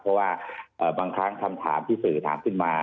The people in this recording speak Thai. เพราะว่าบางครั้งคำถามที่สื่อถามขึ้นมา